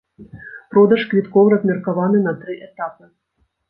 Продаж квіткоў размеркаваны на тры этапы.